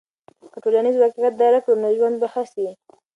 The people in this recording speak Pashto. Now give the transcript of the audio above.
که ټولنیز واقعیت درک کړو نو ژوند به ښه سي.